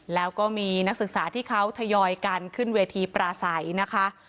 แล้วก็มีนักศึกษาที่เขาทยอยกันขึ้นเวทีปราศัยนะคะ